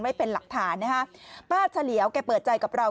ไว้เป็นหลักฐานนะฮะป้าเฉลียวแกเปิดใจกับเรา